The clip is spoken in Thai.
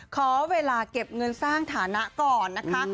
ขอเวลาเก็บเงินสร้างฐานะก่อนนะคะ